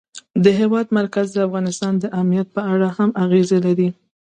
د هېواد مرکز د افغانستان د امنیت په اړه هم اغېز لري.